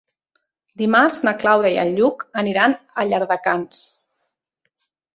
Dimarts na Clàudia i en Lluc aniran a Llardecans.